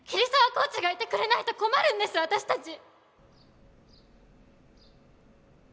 コーチがいてくれないと困るんです私たち！